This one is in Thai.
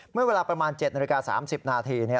เมื่อเวลาประมาณ๗นาฬิกา๓๐นาที